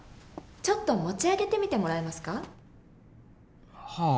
ちょっと持ち上げてみてもらえますか？はあ。